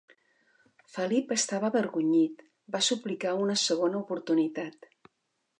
Felip estava avergonyit. Va suplicar una segona oportunitat.